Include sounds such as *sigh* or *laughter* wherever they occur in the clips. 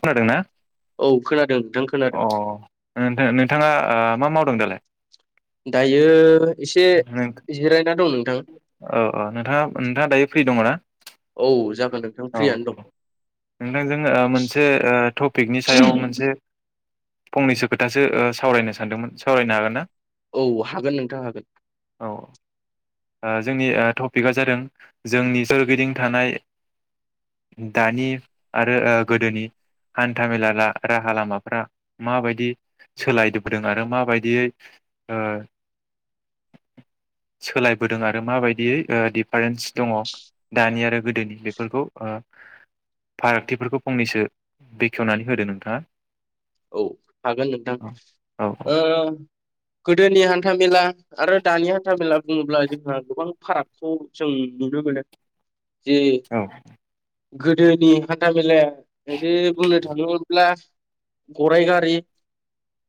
खोनादोंना? औ खोनादों नोंथां खोनादों। थाङा ओ मा मावदों दालाय। दायो एसे जिरायना दं नों औ औ नोंथाङा नोंथाङा दायो फ्रि दङ ना औ जागोन नोंथां औ फ्रियानो दं औ नोंथांजों मोनसे टपिकनि सायाव मोनसे। फंनैसो खोथासो सावरायनो सानदोंमोन सावरायनो हागोन ना। औ हागोन नोंथां हागोन। औ ओ जोंनि टपिकआ जादों जोंनि सोरगिदिं थानाय दानि आरो गोदोनि हान्थामेला राहा लामाफ्रा माबायदि सोलायबोदों आरो माबायदियै ओ सोलाय होदों आरो माबायदियै डिफारेन्स दङ दानि आरो गोदोनि बेफोरखौ फारागथिफोरखौ फंनैसो बेखेवनानै होदो नोंथाङा औ हागोन नोंथां औ ओ। गोदोनि हान्था मेला आरो दानि हान्था मेलाब। बुङोब्ला जोंहा गोबां फाराग। खौ जों नुनो मोनो। जे औ। गोदोनि हान्था मेलाया। एसे बुंनो थांङोमोनब्ला। गराय गारि।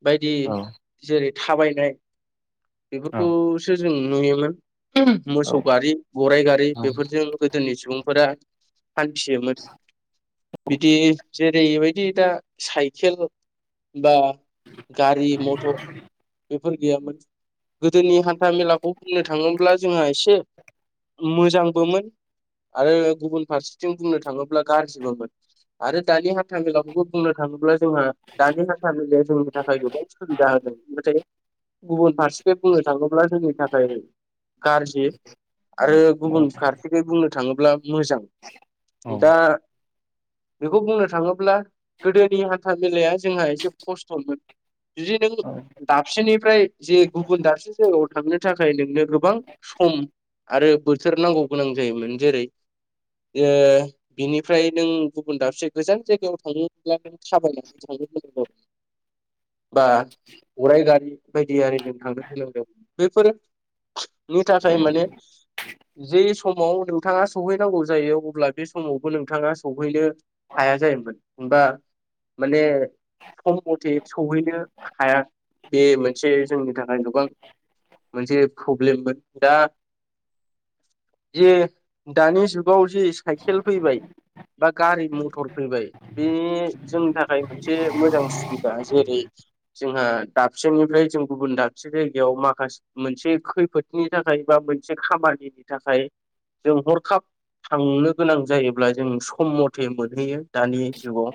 बायदि औ जेरै। थाबायनाय। औ बेफोरबखौसो। जों नुयोमोन। होम मोसौ गारि गराइ गारि औ बेफोरजों गोदोनि सुबुंफोरा हान्थियोमोन बिदि जेरैबायदि दा साइक सेल बा। गारि मथर बेब फोर गैयामोन गोदोनि हान्था मेलाखौ बुंनो थाङोब्ला जोंहा इसे मोजांबोमोन आरो गुबुन फारसिथिं बुंनो थाङोब्ला गारजिबोमोन आरो दानि हान्था मेलाखौबो बुंनो थाङोब्लाज जोंहा दानि हाथामेलाया जोंनि थाखाय गोबां सुबिदा होदों नाथाय। गुबुन फारसे बुंनो थाङोब्ला जोंनि थाखाय गारजि आरो औ गुबुन फारसेखै बुंनो थाङोब्ला। मोजां औ दा। बेखौ बुंनो थाङोब्ला गोदोनि हान। था मेलाया जोंहा एसे खस्थ'मोन। जुदि नों दाबसेनिफ्राय जे गुबुन दाबसे जायगायाव। थांनो थाखाय नोंनो गोबां सम आरो बोथोर नांगौ गोनां जायोमोन जेरै ओ बिनिफ्राय नों गुबुन दाबसे गोजान जायगायाव थाङोब्लाबो। थाबायनानै थांङो *unintelligible* बा अराय गारि बायदि आरिजों थांनो गोलोंदों बेफोरो। नि थाखाय माने। जे समाव नोंथाङा सहैनांगौ जायो अब्ला बे समावबो नोंथाङा सहैनो हाया जायोमोन होमबा। माने सम मथे सहैनो हाया बे मोनसे जोंनि थाखाय गोबां मोनसे फ्रब्लेममोन दा जिये दानि जुगाव जि साइकेल फैबाय बा गारि मथर फैबाय बे। जोंनि थाखाय मोनसे मोजां सुबिदा जेरै जोंहा दाबसेनिफ्राय जों गुबुन दाबसे जायगायाव माखासे मोनसे खैफोदनि थाखाय बा मोनसे खामानिनि थाखाय जों हरखाब थांनो गोनां जायोब्ला जों सम मथे मोनहैयो दानि। जुगाव।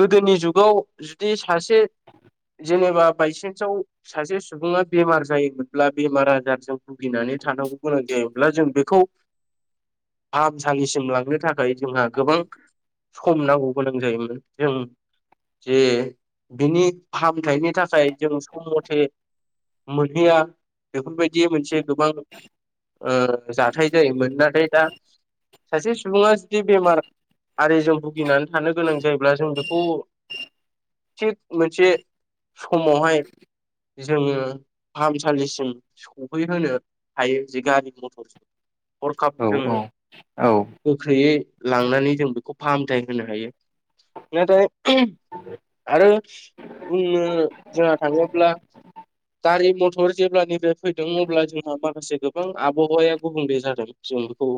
गोदोनि जुगाव जुदि सासे जेनेबा बायसेन्सआव सासे सुबुङा बेमार जायोमोनब्ला बेमार आजारजों भुगिनानै थानांगौ गोनां जायोब्ला जों बेखौ फाहामसालिसिम लांनो थाखा खाय जोंहा गोबां। सम नांगौ। गोनां जायोमोन जों जे बिनि फाहामथायनि थाखाय जों सम मथे मोनहैया बेफोरबायदि मोनसे गोबां ओ जाथाय जायोमोन नाथाय दा सासे सुबुङा जुदि बेमार आरिजों भुगिनानै थानो गोनां जायोब्ला जों बेखौ थिग मोनसे समावहाय जोङो फाहामसालिसिम सफैहोनो हायो जे गारि मथ'र जों। हरखाब औ जोङो औ गोख्रैयै लांनानै जों बेखौ फाहामथाय होनो हायो नाथाय आरो बुंनो जोंहा थाङोब्ला गारि मथ'र जेब्लानिफ्राय फैदों अब्ला जोंहा माखासे गोबां आबहावाया गुबुंले जादों जों बेखौ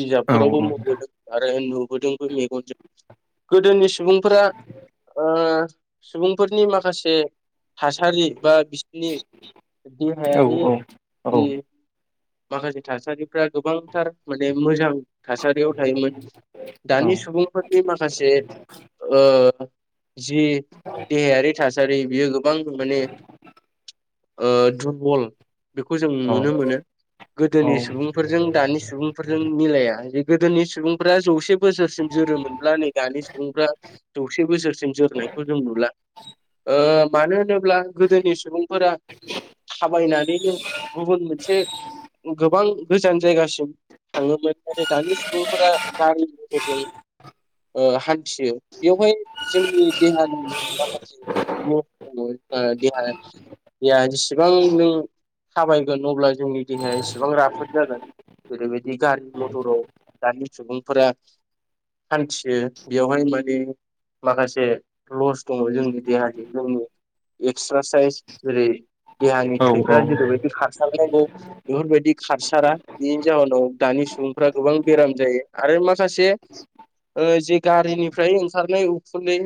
बिजाबफोरावबो मोनबोदों आरो नुबोदोंबो मेगन गोदोनि सुबुंफोरा ओ सुबुंफोरनि माखासे थासारि बा बिसोरनि देहायारि औ ए माखासे थासारिफ्रा गोबांथार माने मोजां थासारियाव थायोमोन दानि सुबुंफोरनि माखासे ओ जि देहायारि थासारि बियो गोबां माने ओ दुरबल बेखौ जों नुनो मोनो। गोदोनि सुबुंफोरजों दानि सुबुंफोरजों मिलाया जे गोदोनि सुबुंफोरा जौसे बोसोरसिम जोरोमोनब्ला नै दानि सुबुंफ्रा जौसे बोसोरसिम जोरनायखौ जों नुला ओ मानो होनोब्ला गोदोनि सुबुंफोरा थाबायनानैनो गुबुन मोनसे गोबां गोजान जायगासिम थाङोमोन नाथाय दानि सुबुंफोरा गारि मटरजों हान्थियो ओ बेवहाय जोंनि देहानि माखासे दङ देहाया जेसेबां नों थाबायगोन अब्ला जोंनि देहाया एसेबां राफोद जागोन जेरैबायदि गारि मथ'राव दानि सुबुंफोरा हान्थियो बेयावहाय माने माखासे लस दङ जोंनि देहानि जोंनि एक्सारसाइस जेरै देहानि थैफ्रा जेरैबायदि खारस *unintelligible* बेफोरबायदि खारसारा बेनि जाहोनाव दानि सुबुंफ्रा गोबां बेराम जायो आरो माखासे ओ जे गारिनिफ्राय ओंखारनाय उखुन्दै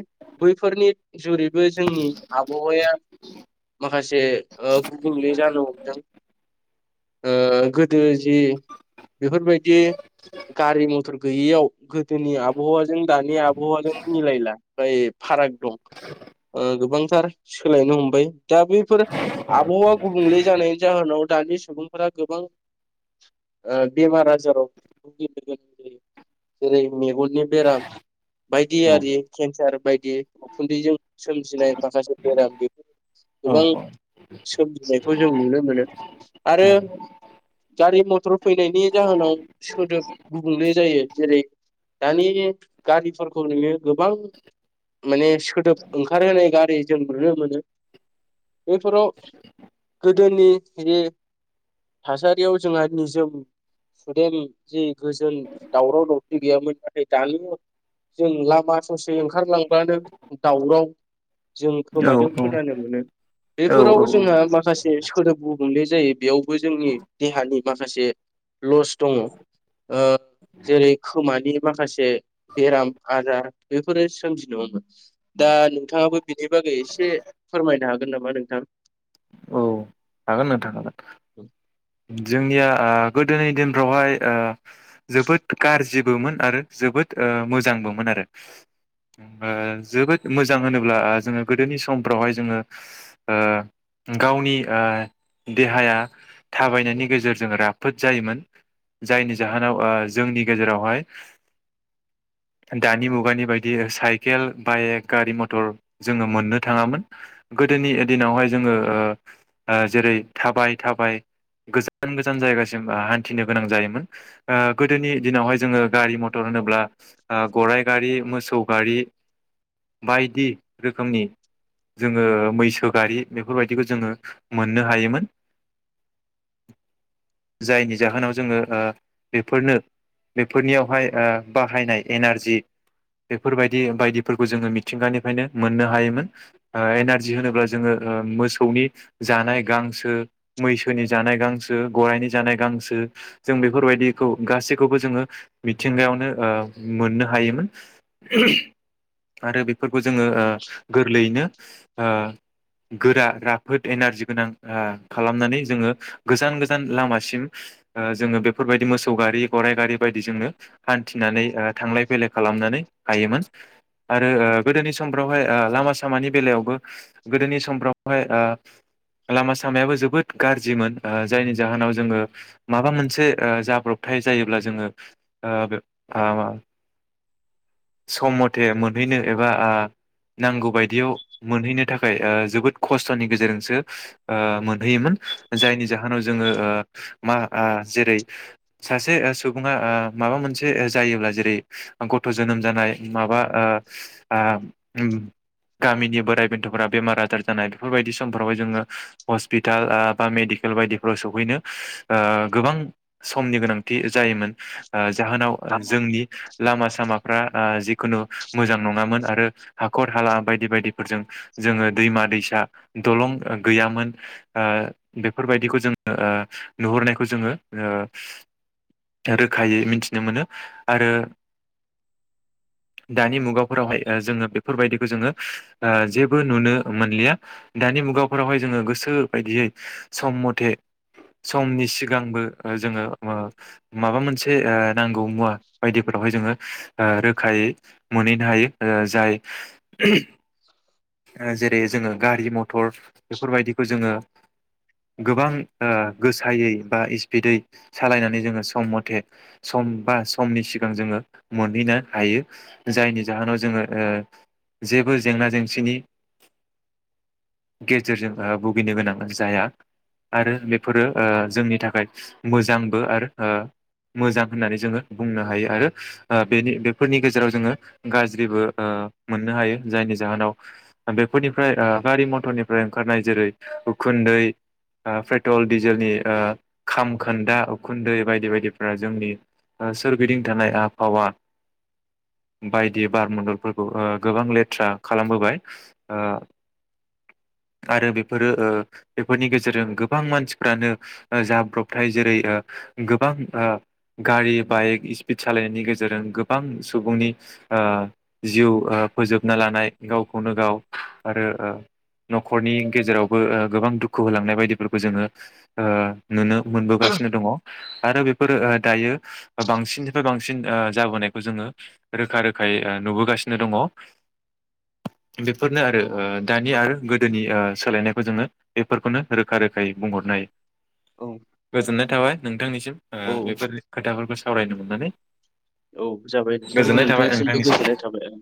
बैफोरनि जुरैबो जोंनि आबहावाया माखासे गुबुंले जानो हमदों। ओ गोदो जि बेफोरबायदि गारि मथ'र गैयियाव गोदोनि आबहावाजों दानि आबहावाजों मिलायला बाय फाराग दं गोबांथार सोलायनो हमबाय दा बैफोर आबहावा गुबुंले जानायनि जाहोनाव दानि सुबुंफोरा गोबां ओ बेमार आजाराव भुगिनो गोनां जायो जेरै मेगननि बेराम बायदिआरि केन्सार बायदि उखुन्दैजों सोमजिनाय माखासे बेराम बेफोर गोबां सोमजिनायखौ जों नुनो मोनो। आरो गारि मथ'र फैनायनि जाहोनाव सोदोब गुबुंले जायो जेरै दानि गारिफोरखौ नोङो गोबां माने सोदोब ओंखारहोनाय गारि जों नुनो मोनो बेफोराव गोदोनि जि थासारियाव जोंहा निजोम सुदेम जि गोजोन दावराव दावसि गैयामोन नाथाय दानि जों लामा ससे ओंखारलांब्लानो दावराव। जों खोमाजों खोनानो मोनो। औ बेफोराव जोंहा माखासे सोदोब गुबुंले जायो। बेयावबो जोंनि देहानि माखासे लस दङ जेरै ओ खोमानि माखासे बेराम आजार बेफोरो सोमजि नङोन दा नोंथाङाबो बिनि बागै एसे फोरमायनो हागोन नामा नोंथां? औ हागोन नोंथां हागोन। औ जोंनिया गोदोनि ओ दिनफ्रावहाय ओ जोबोद गाज्रिबोमोन आरो जोबोद मोजांबोमोन आरो ओ जोबोद मोजां होनोब्ला ओ जोङो गोदोनि समफ्रावहाय जोङो ओ गावनि देहाया थाबाय जनायनि गेजेरजों राफोद जायोमोन जायनि जाहोनाव ओ जोंनि गेजेरावहाय दानि मुगानि बायदि साइकेल बाइक गारि मथ'र जोङो मोननो थाङामोन गोदोनि दिनावहाय जोङो ओ जेरै थाबाय थाबाय गोजान गोजान जायगासिम हान्थिनो गोनां जायोमोन गोदोनि दिनावहाय जोङो गारि मथ'र होनोब्ला गराइ गारि मोसौ गारि बायदि रोखोमनि जोङो मैसो गारि बेफोरबायदिखौ जोङो मोननो हायोमोन। जायनि जाहोनाव जोङो ओ बेफोरनो बेफोरनियावहाय ओ बाहायनाय एनारजि बेफोरबायदि बायदिफोरखौ जोङो मिथिंगानिफ्रायनो मोननो हायोमोन ओ एनारजि होनोब्ला जोङो मोसौनि जानाय गांसो मैसोनि जानाय गांसो गराइनि जानाय गांसो जों बेफोरबायदिखौ गासैखौबो जोङो मिथिंगायावनो मोननो हायोमोन आरो बेफोरखौ जोङो गोरलैयैनो ओ गोरा राफोद एनारजि गोनां ओ खालामनानै जोङो गोजान गोजान लामासिम जोङो बे बेफोरबायदि मोसौ गारि गराइ गारि बायदि जोंनो हान्थिनानै थांलाय फैलाय खालामनानै हायोमोन आरो ओ गोदोनि समफ्रावहाय लामा सामानि बेलायावबो गोदोनि समफ्रावहाय ओ लामा सामायाबो जोबोद गाज्रि जिमोन जायनि जाहोनाव जोङो माबा मोनसे जाब्रबथाय जायोब्ला जोङो ओ सम मथे मोनहैनो एबा ओ नांगौ बायदियाव मोनहैनो थाखाय जोबोद खस्थ'नि गेजेरजोंसो ओ मोनहैयोमोन। जायनि जाहोनाव जोङो ओ मा ओ जेरै सासे सुबुङा ओ माबा मोनसे जायोब्ला जेरै गथ' जोनोम जानाय माबा ओ गामिनि बोराइ बेन्थ'फोरा बेमार आजार जानाय बेफोरबायदि उनफ्रावाय जोङो हस्पिटाल ओ बा मेदि केल बायदिफोराव सहैनो ओ गोबां समनि गोनांथि जायोमोन ओ जाहोनाव जोंनि लामा सामा फोरा ओ जिखुनु मोजां नङामोन आरो हाखर हाला बायदि बायदिफोरजों जोङो दैमा दैसा दलं गैयामोन ओ बेफोरबायदिखौ जोङो नुहरनायखौ जोङो ओ रोखायै मिथिनो मोनो आरो दानि मुगाफोरावहाय जोङो बेफोरबायदिखौ जोङो ओ जेबो नुनो मोनलिया दानि मुगाफोरावहाय जोङो गोसो बायदियै सम मथे समनि सिगांबो ओ जोङो माबा मोनसे ओ नांगौ मुवा बायदिफोरावहाय जोङो ओ रोखायै मोनहैनो हायो ओ जाय *unintelligible* बे जोंओ गारि मथ मटर बेफोरबायदिखौ जोङो गोबां ओ गोसायै बा स्पिदयै सालायनानै जोङो सम मथे सम बा समनि सिगां जोङो मोनहैनो हायो जायनि जाहोनाव ओ जोङो जेबो जेंना जेंसिनि गेजेरजों ओ भुगिनो गोनां जाया आरो बेफोरो ओ जोंनि थाखाय मोजांबो आरो ओ मोजां होननानै जोङो बुंनो हायो आरो ओ बेनि बेफोरनि गेजेराव जोङो गाज्रिबो ओ मोननो हायो जायनि जाहोनाव बेफोरनिफ्राय ओ गारि मथरनिफ्राय ओंखारनाय जेरै उखुन्दै, ओ पेट्रल, डिजेलनि ओ खामखोन्दा उखुन्दै बायदि बायदिफोरा जोंनि ओ सोरगिदिं थानाय आबहावा बायदि बार मण्डलफोरखौ ओ गोबां लेथ्रा खालामबोबाय ओ आरो बेफोरो ओ बेफोरनि गेजेरजों गोबां मानसिफ्रानो ओ जाब्रबथाय जेरै गोबां ओ गारि बाइक स्पिड सालायनायनि गेजेरजों गोबां सुबुंनि ओ जिउ ओ फोजोबना लानाय गावखौनो गाव आरो ओ न'खरनि गेजेरावबो ओ गोबां दुखु होलांनाय बायदिब्लाबो जोङो ओ मोनो मोनबोगासिनो दङ। आरो बेफोरो ओ दायो बांसिननिफ्राय बांसिन ओ जाबोनायखौ जोङो रोखा रोखायै ओ नुबोगासिनो दङ बेफोरनो आरो ओ दानि आरो ओ गोदोनि सोलायनायखौ जोङो बेफोरखौनो रोखा रोखायै बुंहरनाय औ गोजोननाय थाबाय नोंथांनिसिम ओ औ बेफोर खोथाफोरखौ सावरायनो मोननानै औ जाबाय नोंथां गोजोननाय थाबाय नोंथांनिसिमबो नोंथांनिसिम। गोजोननाय थाबाय ओं।